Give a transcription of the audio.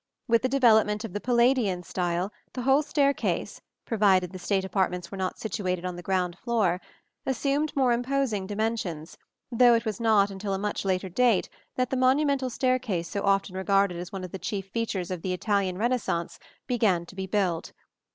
With the development of the Palladian style, the whole staircase (provided the state apartments were not situated on the ground floor) assumed more imposing dimensions; though it was not until a much later date that the monumental staircase so often regarded as one of the chief features of the Italian Renaissance began to be built.